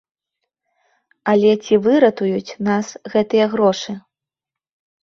Але ці выратуюць нас гэтыя грошы?